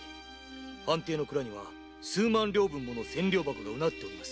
藩邸の蔵には数万両分もの千両箱がうなっております。